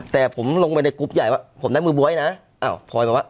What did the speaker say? แต่ผมลงไปในกรุ๊ปใหญ่ว่าผมได้มือบ๊วยนะอ้าวพลอยบอกว่า